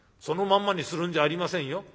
そのまんまにするんじゃありませんよ。